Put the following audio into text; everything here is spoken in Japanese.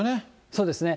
そうですね。